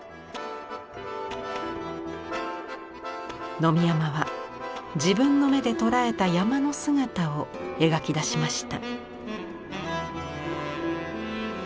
野見山は自分の目でとらえた山の姿を描き出しました。